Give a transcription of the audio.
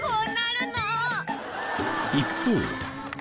一方。